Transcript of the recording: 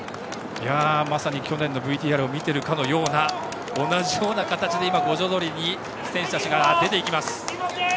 まさに去年のＶＴＲを見ているかのような同じような形で五条通に選手たちが出ていきます。